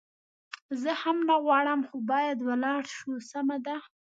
زه هم نه غواړم، خو باید ولاړ شو، سمه ده.